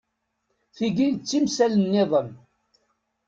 Tigi d timsal-nniḍen.